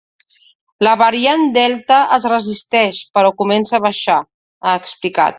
“La variant delta es resisteix, però comença a baixar”, ha explicat.